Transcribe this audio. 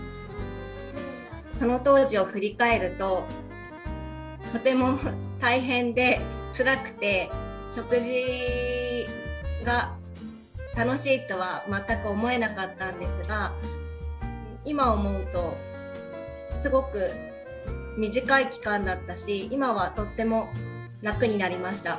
その当時を振り返るととても大変でつらくて食事が楽しいとは全く思えなかったんですが今思うとすごく短い期間だったし今はとっても楽になりました。